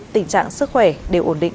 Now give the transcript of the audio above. tình trạng sức khỏe đều ổn định